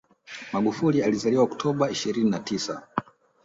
Magufuli alizaliwa Oktoba ishirini na tisa